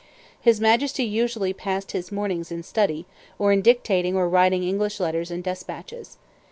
His Majesty usually passed his mornings in study, or in dictating or writing English letters and despatches.